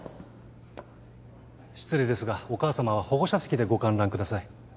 失礼ですがお母さまは保護者席でご観覧ください。